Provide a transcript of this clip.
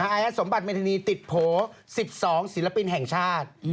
อาร์แอสสมบัติมีธนีย์ติดโผล่๑๒ศิลปินแห่งชาติ